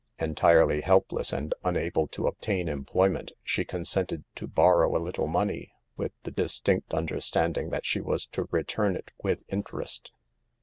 Entirely helpless and unable to obtain employment, she con sented to borrow a little money, with the dis tinct understanding that she was to return it with interest.